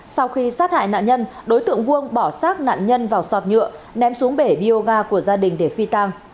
sau khi sát hại nạn nhân đối tượng vuông bỏ sát nạn nhân vào sọt nhựa ném xuống bể bioga của gia đình để phi tang